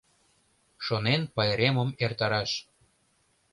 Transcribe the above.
Шонен пайремым эртараш.